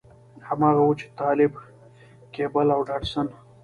هماغه و چې د طالب کېبل او ډاټسن.